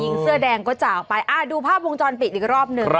ยิงเสื้อแดงก็จะออกไปอ่ะดูภาพวงจรปิดก็รอบหนึ่งครับ